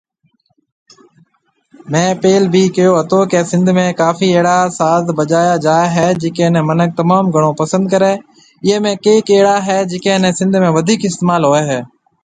مينهه پيل بِي ڪهيو تو ڪي سنڌ ۾ ڪافي اهڙا ساز بجايا جاوي هي جڪي ني منک تموم گھڻو پسند ڪري ايئي ۾ ڪئينڪ اهڙا هي جڪي ني سنڌ ۾ وڌيڪ استعمال هوئي هي